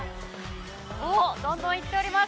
どんどん行っております。